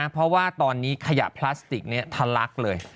เพราะว่าตอนนี้ขยะพลาสติกทะลักเลย